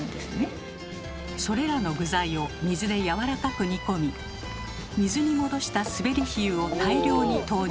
それらの具材を水でやわらかく煮込み水に戻したスベリヒユを大量に投入。